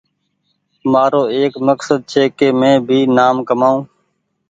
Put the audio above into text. مآرو ايڪ مڪسد ڇي ڪ مينٚ بي نآم ڪمآئو